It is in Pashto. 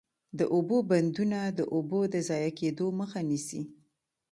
د اوبو بندونه د اوبو د ضایع کیدو مخه نیسي.